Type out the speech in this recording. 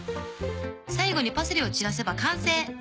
最後にパセリをちらせば完成。